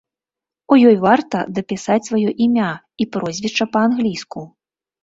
У ёй варта дапісаць сваё імя і прозвішча па-англійску.